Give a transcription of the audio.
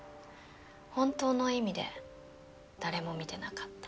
本当の意味で誰も見てなかった